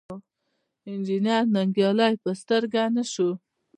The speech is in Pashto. انجنیر ننګیالی په سترګه نه شو.